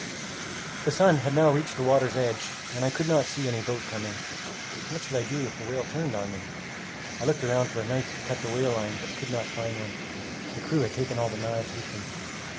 The sun had now reached the water's edge, and I could not see any boat coming. What should I do if the whale turned on me? I looked round for a knife to cut the whale line, but could not find one. The crew had taken all the knives with them.